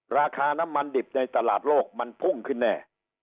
ราคาน้ำมันดิบในตลาดโลกมันพุ่งขึ้นแน่